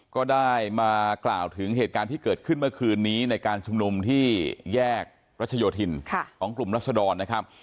ก็ได้มากล่าวถึงเหตุการณ์ที่เกิดขึ้นเมื่อคืนนี้ในการชุมนุมที่แยกรัชโยธินของกลุ่มรัศดรนะครับ